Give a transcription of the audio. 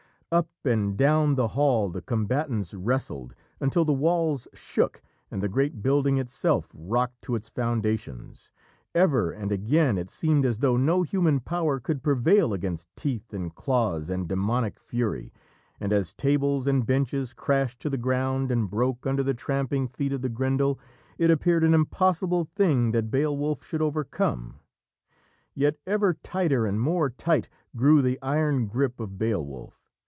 Up and down the hall the combatants wrestled, until the walls shook and the great building itself rocked to its foundations. Ever and again it seemed as though no human power could prevail against teeth and claws and demonic fury, and as tables and benches crashed to the ground and broke under the tramping feet of the Grendel, it appeared an impossible thing that Beowulf should overcome. Yet ever tighter and more tight grew the iron grip of Beowulf.